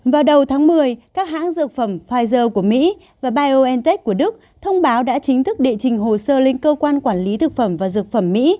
vào đầu tháng một mươi các hãng dược phẩm pfizer của mỹ và biontech của đức thông báo đã chính thức địa trình hồ sơ lên cơ quan quản lý thực phẩm và dược phẩm mỹ